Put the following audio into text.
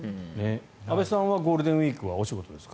安部さんはゴールデンウィークはお仕事ですか？